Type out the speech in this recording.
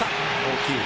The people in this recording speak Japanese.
大きい。